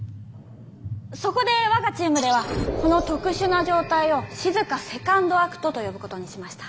そこで我がチームではこの特殊な状態を「しずかセカンドアクト」と呼ぶことにしました。